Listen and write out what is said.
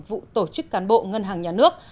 vụ tổ chức cán bộ ngân hàng nhà nước